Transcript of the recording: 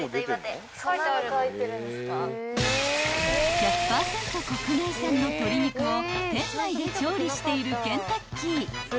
［１００％国内産の鶏肉を店内で調理しているケンタッキー］